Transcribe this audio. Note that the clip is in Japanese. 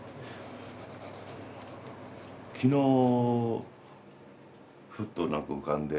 昨日ふっと何か浮かんで。